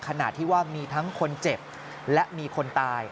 ขณะที่ว่ามีทั้งคนเจ็บและมีคนตาย